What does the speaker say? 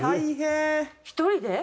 １人で？